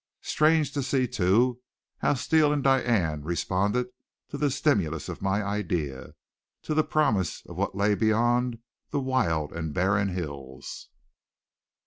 Strange to see, too, how Steele and Diane responded to the stimulus of my idea, to the promise of what lay beyond the wild and barren hills!